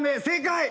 正解。